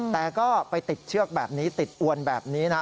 แต่ก็ไปติดเชือกแบบนี้ติดอวนแบบนี้นะ